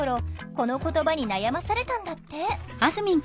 この言葉に悩まされたんだって